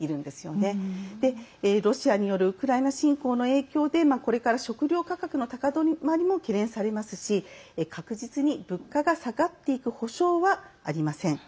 また、ロシアによるウクライナ侵攻の影響でこれから、食料価格の高止まりも懸念されますし確実に物価が下がっていく保証はありません。